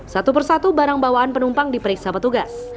satu persatu barang bawaan penumpang diperiksa petugas